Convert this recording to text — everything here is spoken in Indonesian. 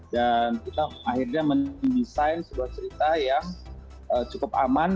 dan kita akhirnya mendesain sebuah cerita yang cukup aman